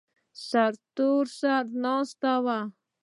سرتور سر ناست و.